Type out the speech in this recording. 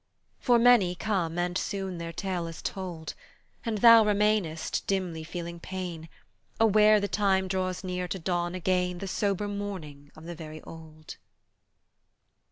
For many come and soon their tale is told, And thou remainest, dimly feeling pain, Aware the time draws near to don again The sober mourning of the very old.